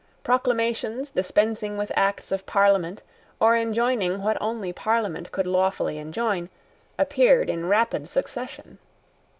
Proclamations, dispensing with Acts of Parliament, or enjoining what only Parliament could lawfully enjoin, appeared in rapid succession.